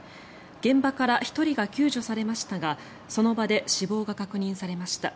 現場から１人が救助されましたがその場で死亡が確認されました。